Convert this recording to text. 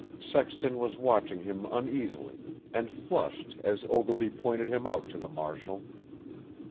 Sexton was watching him uneasily, and flushed as Ogilvy pointed him out to the marshal.